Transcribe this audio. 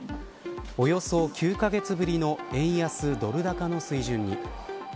およそ９カ月ぶりの円安ドル高の水準に。